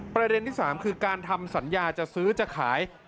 ประเด็นที่๓คือการทำสัญญาจะซื้อจะขาย